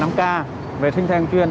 thứ hai là vệ sinh thêm chuyên